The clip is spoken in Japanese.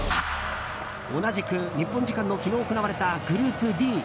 同じく日本時間の昨日行われたグループＤ。